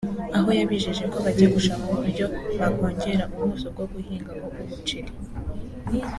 aho yijeje ko bagiye gushaka uburyo bakongera ubuso bwo guhingaho umuceri